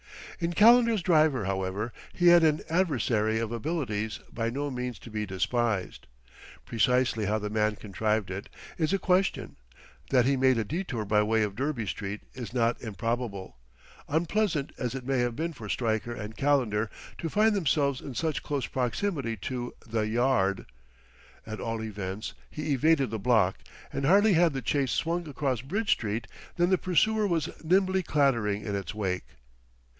In Calendar's driver, however, he had an adversary of abilities by no means to be despised. Precisely how the man contrived it, is a question; that he made a detour by way of Derby Street is not improbable, unpleasant as it may have been for Stryker and Calendar to find themselves in such close proximity to "the Yard." At all events, he evaded the block, and hardly had the chase swung across Bridge Street, than the pursuer was nimbly clattering in its wake.